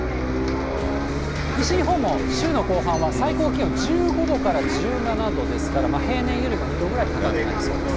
西日本も週の後半は、最高気温１５度から１７度ですから、平年よりも２度ぐらい高くなりそうです。